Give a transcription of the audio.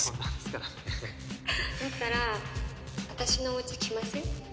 だったら私のお家来ません？